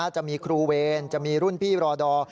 จะมีครูเวรจะมีรุ่นพี่รอดอร์